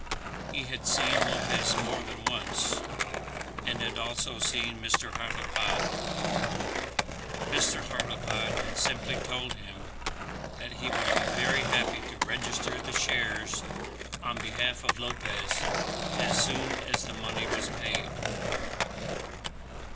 He had seen Lopez more than once, and had also seen Mr. Hartlepod. Mr. Hartlepod had simply told him that he would be very happy to register the shares on behalf of Lopez as soon as the money was paid.